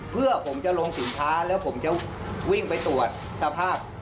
เพื่อผมจะลงสินค้าแล้วผมจะวิ่งไปตรวจสภาพ